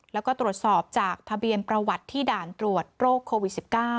แล้วก็ตรวจสอบจากทะเบียนประวัติที่ด่านตรวจโรคโควิด๑๙